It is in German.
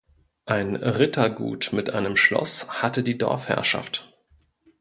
Ein Rittergut mit einem Schloss hatte die Dorfherrschaft.